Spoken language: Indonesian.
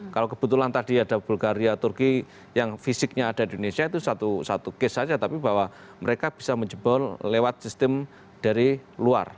kalau kebetulan tadi ada bulgaria turki yang fisiknya ada di indonesia itu satu case saja tapi bahwa mereka bisa menjebol lewat sistem dari luar